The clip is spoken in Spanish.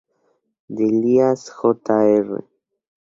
Dalias, jr.